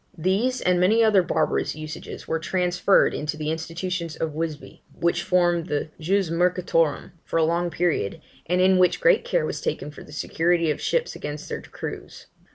These and many other barbarous usages were transferred into the institutions of Wisbuy, which formed the jus mercatorum for a long period, and in which great care was taken for the security of ships against their crews.